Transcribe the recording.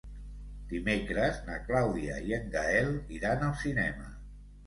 Dimecres na Clàudia i en Gaël iran al cinema.